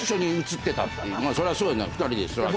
そりゃそうやな２人で座って。